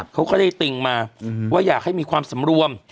เขาก็ได้ติ่งมาว่าอยากให้มีความสำรวม